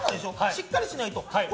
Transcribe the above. しっかりしないと！